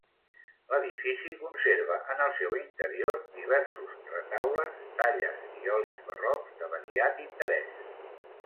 L'edifici conserva en el seu interior diversos retaules, talles i olis barrocs de variat interès.